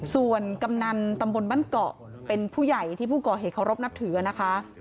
ส่วนกำนันตำบลบ้านเกาะเป็นผู้ใหญ่ที่ผู้ก่อเหตุเคารพนับถือนะคะ